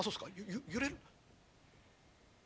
ゆ揺れる？」。